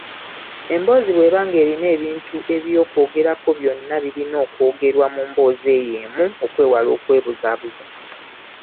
Emboozi bweba ng'erina ebintu eby’okwogerako byonna birina okwogerwa mu mboozi eyo emu okwewala okubuzaabuza.